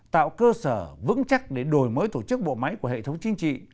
tạo cơ sở vững chắc để đổi mới tổ chức bộ máy của hệ thống chính trị